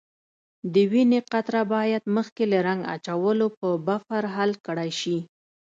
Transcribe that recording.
د وینې قطره باید مخکې له رنګ اچولو په بفر حل کړای شي.